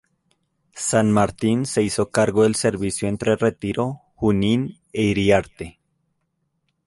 San Martín se hizo cargo del servicio entre Retiro, Junín e Iriarte.